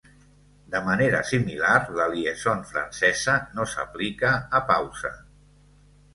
De manera similar, la liaison francesa no s'aplica a pausa.